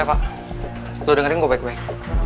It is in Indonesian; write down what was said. reva lo dengerin gue baik baik